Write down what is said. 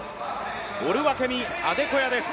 オルワケミ・アデコヤです。